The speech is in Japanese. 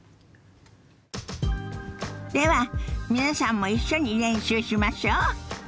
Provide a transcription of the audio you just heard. では皆さんも一緒に練習しましょ。